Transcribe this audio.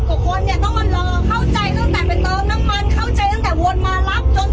เข้าใจตั้งแต่วนมารับ